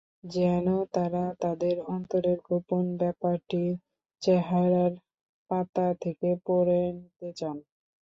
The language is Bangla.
যেন তারা তাদের অন্তরের গোপন ব্যাপারটি চেহারার পাতা থেকে পড়ে নিতে চান।